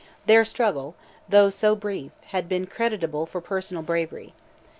Their struggle, though so brief, had been creditable for personal bravery.